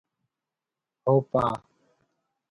هوپا